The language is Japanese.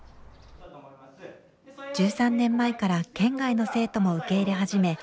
１３年前から県外の生徒も受け入れ始め